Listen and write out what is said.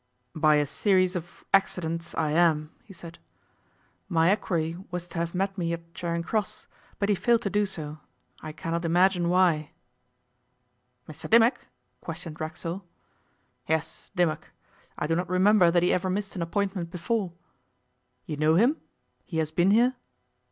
'By a series of accidents I am,' he said. 'My equerry was to have met me at Charing Cross, but he failed to do so I cannot imagine why.' 'Mr Dimmock?' questioned Racksole. 'Yes, Dimmock. I do not remember that he ever missed an appointment before. You know him? He has been here?